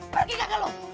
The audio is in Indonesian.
pergi gak gak lu